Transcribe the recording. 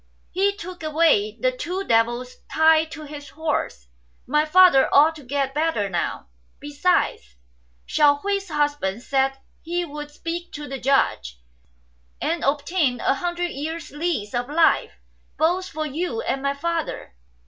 He took away> the two devils tied to his horse. My father ought to gfet better now. Besides, Hsiao hui's husband said he would speak to the Judge, and obtain a hundred years' lease of life both for you and my father."